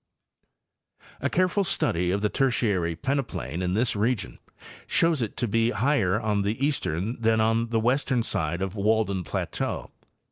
A careful study of the Tertiary peneplain in this region shows it to be higher on the eastern than on the western side of Walden plateau.